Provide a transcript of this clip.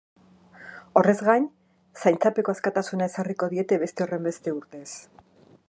Horrez gain, zaintzapeko askatasuna ezarriko diete beste horrenbeste urtez.